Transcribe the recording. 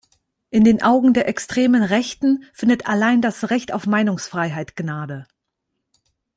In den Augen der extremen Rechten findet allein das Recht auf Meinungsfreiheit Gnade.